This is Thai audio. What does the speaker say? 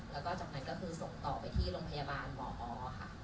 แล้วก็จากนั้นก็คือส่งต่อไปที่โรงพยาบาลหมออค่ะ